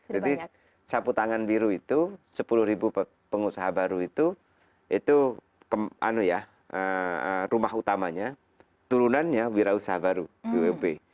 jadi sapu tangan biru itu sepuluh pengusaha baru itu itu rumah utamanya turunannya wirausah baru di wub